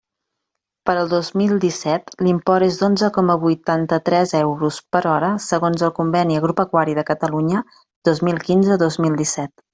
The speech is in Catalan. Per al dos mil disset, l'import és d'onze coma vuitanta-tres euros per hora segons el Conveni agropecuari de Catalunya dos mil quinze-dos mil disset.